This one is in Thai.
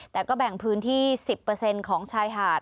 แต่ก็แบ่งพื้นที่๑๐ของชายหาด